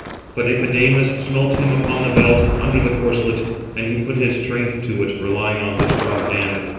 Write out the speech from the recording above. But Iphidamas smote him upon the belt, under the corslet; and he put his strength to it, relying on his strong hand.